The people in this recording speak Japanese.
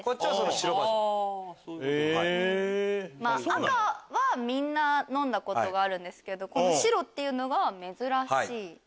赤はみんな飲んだことがあるんですけど白っていうのが珍しい。